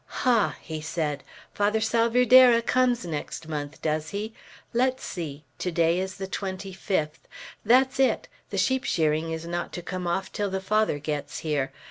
"Ha!" he said, "Father Salvierderra comes next month, does he? Let's see. To day is the 25th. That's it. The sheep shearing is not to come off till the Father gets here.